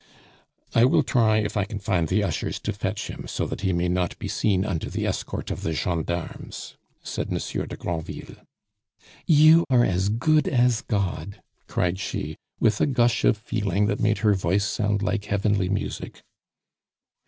"I will try if I can find the ushers to fetch him, so that he may not be seen under the escort of the gendarmes," said Monsieur de Granville. "You are as good as God!" cried she, with a gush of feeling that made her voice sound like heavenly music.